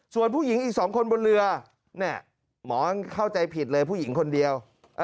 ส่วนผู้หญิงอีก๒คนบนเรือหมอเข้าใจผิดเลยผู้หญิงคนเดียว